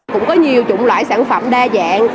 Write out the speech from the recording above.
cũng có nhiều chủng loại sản phẩm đa dạng